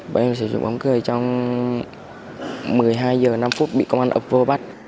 bọn em sử dụng ống cưới trong một mươi hai h năm phút bị công an ập vô bắt